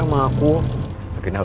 kau juga bisa kehilangan hati